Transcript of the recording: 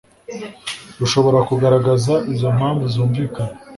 rushobora kugaragaza izo mpamvu zumvikana